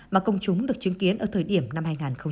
mà công chúng được chứng kiến ở thời điểm năm hai nghìn hai mươi